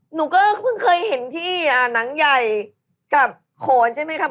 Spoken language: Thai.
หนูก็เพิ่งเคยเห็นที่หนังใหญ่กับโขนใช่ไหมครับ